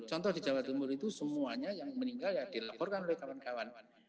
contoh di jawa timur itu semuanya yang meninggal ya dilaporkan oleh kawan kawan